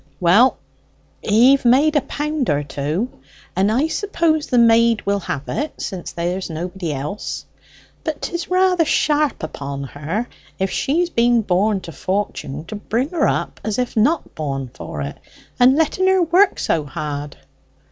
"Well, he've made a pound or two, and I suppose the maid will have it, since there's nobody else. But 'tis rather sharp upon her, if she's been born to fortune, to bring her up as if not born for it, and letting her work so hard."